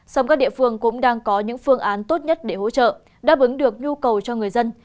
sông các địa phương cũng đang có những phương án tốt nhất để hỗ trợ đáp ứng được nhu cầu cho người dân